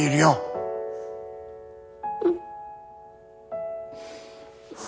うん。